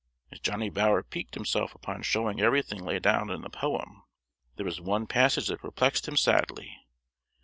As Johnny Bower piqued himself upon showing everything laid down in the poem, there was one passage that perplexed him sadly.